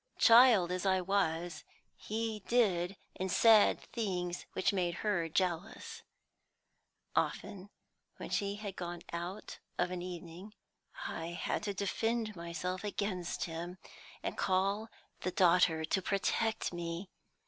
Child as I was, he did and said things which made her jealous. Often when she had gone out of an evening, I had to defend myself against him, and call the daughter to protect me.